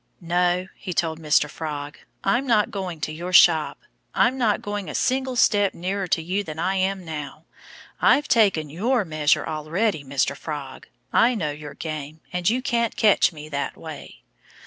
"No!" he told Mr. Frog. "I'm not going to your shop. I'm not going a single step nearer to you than I am now. I've taken your measure already, Mr. Frog. I know your game. And you can't catch me that way."